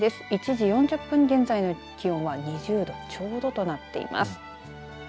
１時４０分現在の気温は２０度ちょうどとなっています。